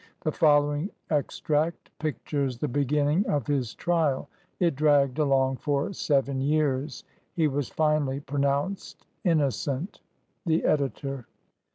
The following extract pictures the beginning of his trial. It dragged along for seven years. He was finally pronounced innocent. The Editor.